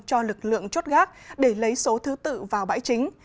cho lực lượng chốt gác để lấy số thứ tự vào bãi chính